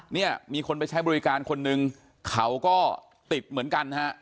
เนี่ยมีคนไปใช้บริการคนนึงเขาก็ติดเหมือนกันฮะ